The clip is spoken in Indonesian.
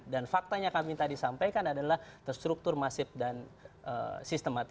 dan faktanya yang kami tadi sampaikan adalah terstruktur masif dan sistematis